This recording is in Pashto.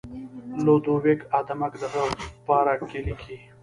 لودویک آدمک د هغه پاره کې لیکي.